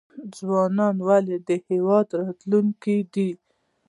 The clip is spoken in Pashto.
ځوانان ولې د هیواد راتلونکی دی؟